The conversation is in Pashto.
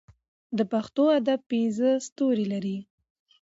د پښتو ادب پنځه ستوري لري.